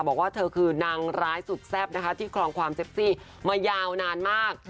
บอกว่าเธอคือนางร้ายสุดแซ่บนะคะที่ครองความเซ็กซี่มายาวนานมาก